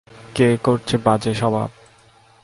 কে করছে বাজে সবাব?